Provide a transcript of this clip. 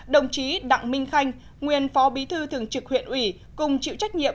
đồng chí đặng minh khanh nguyên phó bí thư thường trực huyện ủy cùng chịu trách nhiệm